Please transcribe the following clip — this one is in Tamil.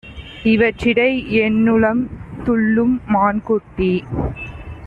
இவற்றிடை என்னுளம் துள்ளும் மான்குட்டி!